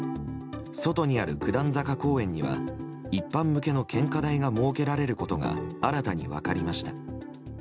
外にある九段坂公園には一般向けの献花台が設けられることが新たに分かりました。